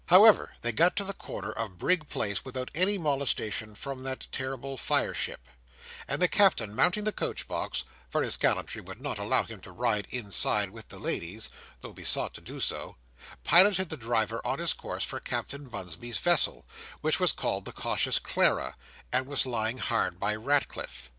However, they got to the corner of Brig Place without any molestation from that terrible fire ship; and the Captain mounting the coach box—for his gallantry would not allow him to ride inside with the ladies, though besought to do so—piloted the driver on his course for Captain Bunsby's vessel, which was called the Cautious Clara, and was lying hard by Ratcliffe.